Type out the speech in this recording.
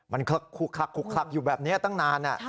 มันคลักคลักคลักคลักอยู่แบบนี้ตั้งนาน